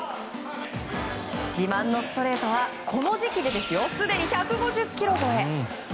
自慢のストレートは、この時期ですでに１５０キロ超え。